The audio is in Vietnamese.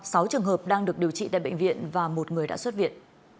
sáu trường hợp đang được điều trị tại bệnh viện và một người đã xuất viện